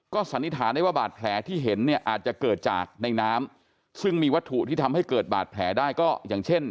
สันนิษฐานได้ว่าบาดแผลที่เห็นเนี่ยอาจจะเกิดจากในน้ำซึ่งมีวัตถุที่ทำให้เกิดบาดแผลได้ก็อย่างเช่น